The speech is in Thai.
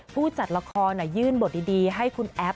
ผู้จัดละครยื่นบทดีให้คุณแอฟ